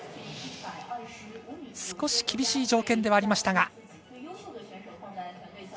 少し厳しい条件ではありましたが。